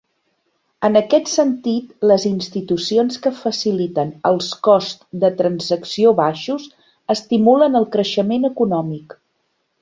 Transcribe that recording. En aquest sentit, les institucions que faciliten els costs de transacció baixos estimulen el creixement econòmic.